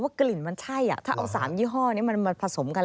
กลิ่นมันใช่ถ้าเอา๓ยี่ห้อนี้มันมาผสมกัน